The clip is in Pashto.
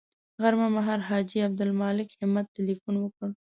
غرمه مهال حاجي عبدالمالک همت تیلفون وکړ.